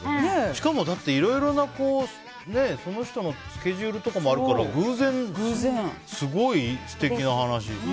しかも、いろいろなその人のスケジュールとかもあるから偶然すごい素敵な話。